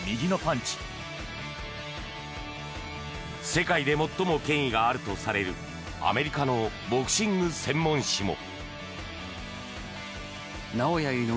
世界で最も権威があるとされるアメリカのボクシング専門誌も。